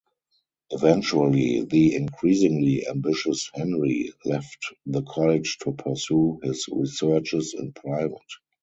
Eventually, the increasingly ambitious Henry left the college to pursue his researches in private.